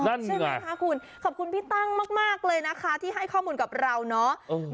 ใช่ไหมคะคุณขอบคุณพี่ตั้งมากเลยนะคะที่ให้ข้อมูลกับเราเนาะ